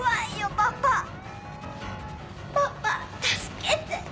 パパ助けて。